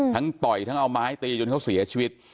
ต่อยทั้งเอาไม้ตีจนเขาเสียชีวิต